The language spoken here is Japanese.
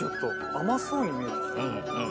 甘そうに見えてきた。